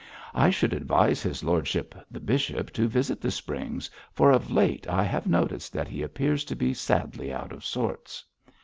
I should advise his lordship, the bishop, to visit the springs, for of late I have noticed that he appears to be sadly out of sorts.'